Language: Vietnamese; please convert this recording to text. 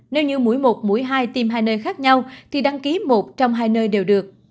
nếu như mỗi một mũi hai tiêm hai nơi khác nhau thì đăng ký một trong hai nơi đều được